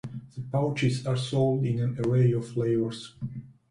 The pouches are sold in an array of flavors.